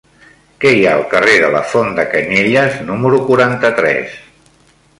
Què hi ha al carrer de la Font de Canyelles número quaranta-tres?